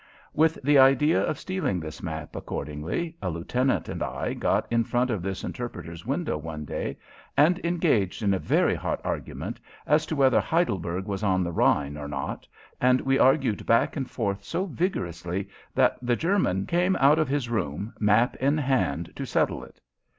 With the idea of stealing this map, accordingly, a lieutenant and I got in front of this interpreter's window one day and engaged in a very hot argument as to whether Heidelberg was on the Rhine or not, and we argued back and forth so vigorously that the German came out of his room, map in hand, to settle it.